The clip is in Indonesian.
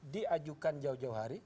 diajukan jauh jauh hari